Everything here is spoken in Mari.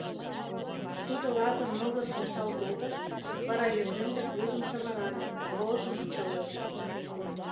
Тудо Лазыр могырыш ончал колтыш, вара Епрем дек вуйжым савырале, полышым кычалеш.